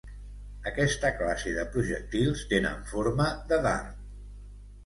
Aquesta classe de projectils tenen forma de dard.